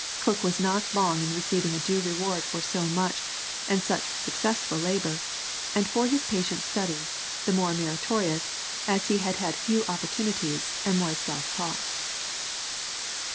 Cook was not long in receiving a due reward for so much, and such successful labour, and for his patient studies, the more meritorious, as he had had few opportunities, and was self taught.